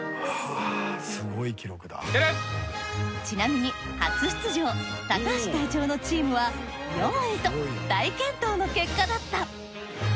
ちなみに初出場高橋隊長のチームは４位と大健闘の結果だった。